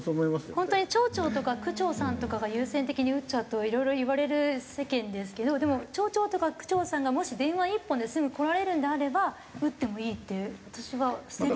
本当に町長とか区長さんとかが優先的に打っちゃうといろいろ言われる世間ですけどでも町長とか区長さんがもし電話一本ですぐ来られるんであれば打ってもいいって私は捨てるよりはいいと思います。